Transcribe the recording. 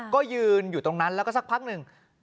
ก็ยืนอยู่ตรงนั้นแล้วก็สักพักหนึ่ง